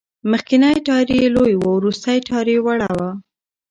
مخکېنی ټایر یې لوی و، وروستی ټایر وړه و.